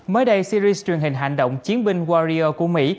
mới đây series truyền hình hành động chiến binh warrior của mỹ